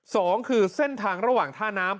สองคือเส้นทางระหว่างท่าน้ำ